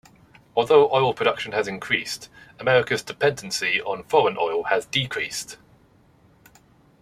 Although oil production has increased, America's dependency on foreign oil has decreased.